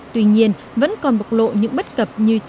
tuy nhiên vẫn còn bộc lộ những bất cập như trước